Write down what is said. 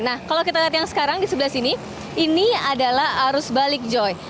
nah kalau kita lihat yang sekarang di sebelah sini ini adalah arus balik joy